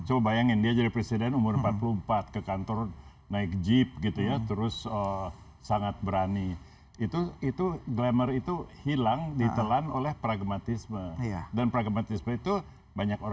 hanya proklamator gelarnya